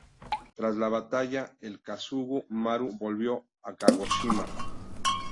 Tras la batalla, el "Kasuga Maru "volvió a Kagoshima.